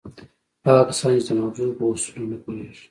هغه کسان چې د ماغزو په اصولو نه پوهېږي.